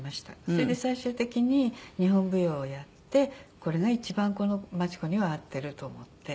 それで最終的に日本舞踊をやって「これが一番真知子には合っている」と思って。